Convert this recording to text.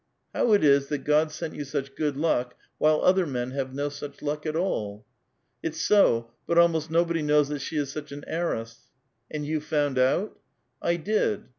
*' How it is that God sent you such good luck, while other men have no such luck at all ?"" It's so; but almost nobody knows that she is such an heiress." *' And you found out?" '' I did."